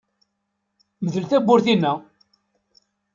Mdel tawwurt-inna!